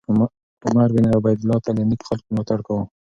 عمر بن عبیدالله تل د نېکو خلکو ملاتړ کاوه.